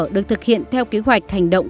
được thực hiện theo kế hoạch hành động